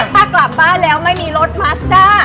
ถ้ากลับบ้านแล้วไม่มีรถมัสด้า